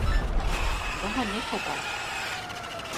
Daha ne kadar?